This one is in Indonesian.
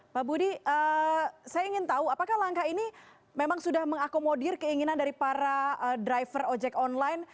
pak budi saya ingin tahu apakah langkah ini memang sudah mengakomodir keinginan dari para driver ojek online